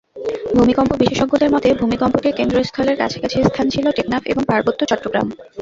ভূমিকম্প বিশেষজ্ঞদের মতে, ভূমিকম্পটির কেন্দ্রস্থলের কাছাকাছি স্থান ছিল টেকনাফ এবং পার্বত্য চট্টগ্রাম।